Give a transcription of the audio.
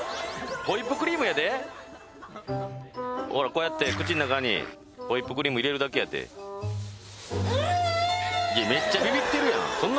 ホイップクリームやでほらこうやって口の中にホイップクリーム入れるだけやってめっちゃビビってるやん